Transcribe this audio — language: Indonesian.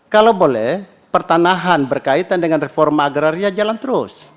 kalau boleh pertanahan berkaitan dengan reforma agraria jalan terus